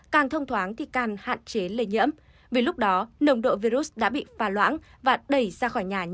càng thông thoáng thì càng hạn chế lây nhiễm vì lúc đó nồng độ virus đã bị pha loãng và đẩy ra khỏi nhà